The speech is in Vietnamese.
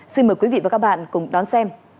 xin mời quý vị và các bạn cùng đón xem